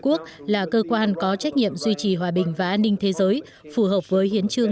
quốc là cơ quan có trách nhiệm duy trì hòa bình và an ninh thế giới phù hợp với hiến trương